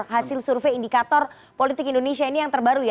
hasil survei indikator politik indonesia ini yang terbaru ya